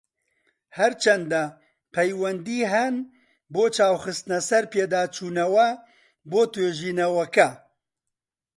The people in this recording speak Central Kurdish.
هەرچەندە، پەیوەندی هەن بۆ چاو خستنە سەر پێداچونەوە بۆ توێژینەوەکە.